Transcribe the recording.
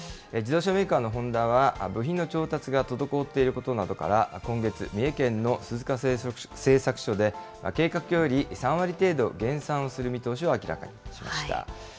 自動車メーカーのホンダは、部品の調達が滞っていることなどから、今月、三重県の鈴鹿製作所で、計画より３割程度減産をする見通しを明らかにしました。